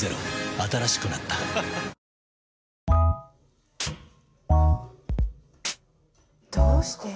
新しくなったどうして？